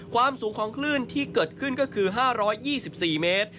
ความสูงของคลื่นที่เกิดขึ้นก็คือ๕๒๔เมตร